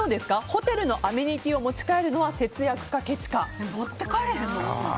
ホテルのアメニティーを持ち帰るのは持って帰れへん？